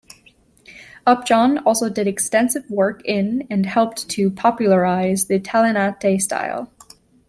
Upjohn also did extensive work in and helped to popularize the Italianate style.